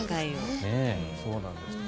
そうなんですって。